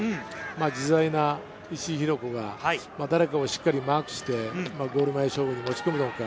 自在な石井寛子が誰かをしっかりマークして、ゴール前勝負に持ち込むのか。